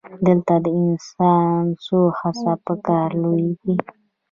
دلته د انسان څو حسه په کار لویږي.